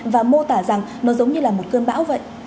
và mô tả rằng nó giống như là một cơn bão vậy